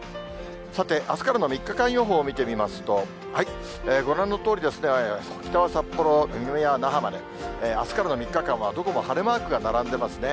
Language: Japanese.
さて、あすからの３日間予報を見てみますと、ご覧のとおり、北は札幌、南は那覇まで、あすからの３日間は、どこも晴れマークが並んでますね。